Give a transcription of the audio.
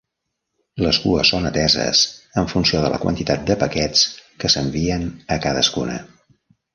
Les cues són ateses en funció de la quantitat de paquets que s'envien a cadascuna.